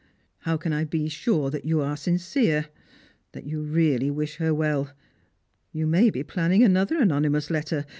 " How can I be sure that you are sincere — that you really wish her well? You may be planning another anonymous letter.